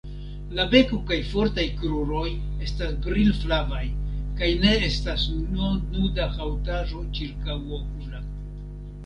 La beko kaj fortaj kruroj estas brilflavaj, kaj ne estas nuda haŭtaĵo ĉirkaŭokula.